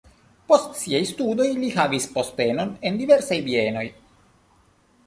Post siaj studoj li havis postenon en diversaj bienoj.